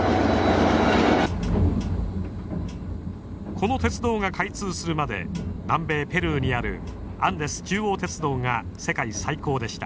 この鉄道が開通するまで南米ペルーにあるアンデス中央鉄道が世界最高でした。